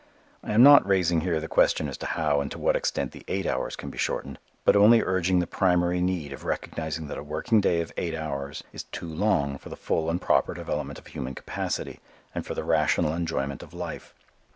I am not raising here the question as to how and to what extent the eight hours can be shortened, but only urging the primary need of recognizing that a working day of eight hours is too long for the full and proper development of human capacity and for the rational enjoyment of life.